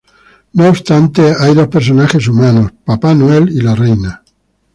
No obstante, hay dos personajes humanos: Papá Noel y la Reina.